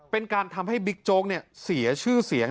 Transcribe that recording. เป็นการทำให้บิ๊กโจ๊กเสียชื่อเสียง